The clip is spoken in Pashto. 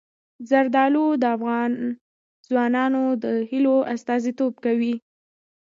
زردالو د افغان ځوانانو د هیلو استازیتوب کوي.